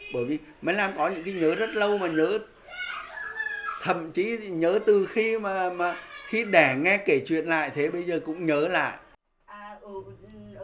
bởi vì mới làm có những cái nhớ rất lâu mà nhớ thậm chí nhớ từ khi mà khi để nghe kể chuyện lại thế bây giờ cũng nhớ lại